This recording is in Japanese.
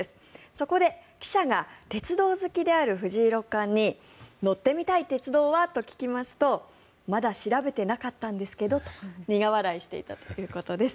そこで、記者が鉄道好きである藤井六冠に乗ってみたい鉄道は？と聞きますとまだ調べてなかったんですけどと苦笑いしていたということです。